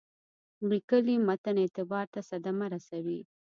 لیکلي متن اعتبار ته صدمه رسوي.